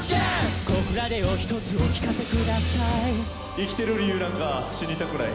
生きてる理由なんか死にたくない。